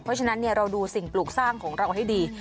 เพราะฉะนั้นเราดูสิ่งปลูกสร้างของเราให้ดี